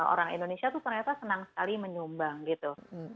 orang indonesia tuh ternyata senang sekali menyumbang gitu